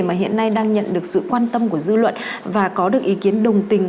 mà hiện nay đang nhận được sự quan tâm của dư luận và có được ý kiến đồng tình